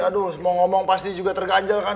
aduh mau ngomong pasti juga terganjal kan